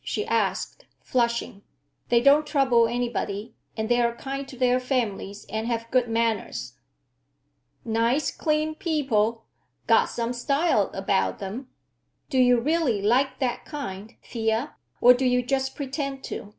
she asked, flushing. "They don't trouble anybody, and they are kind to their families and have good manners." "Nice clean people; got some style about them. Do you really like that kind, Thea, or do you just pretend to?